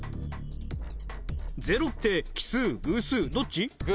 ０って奇数偶数どっち？